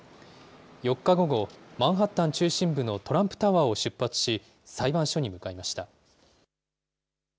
４日午後、マンハッタン中心部のトランプタワーを出発し、裁判所に向かいま